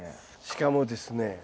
しかもですね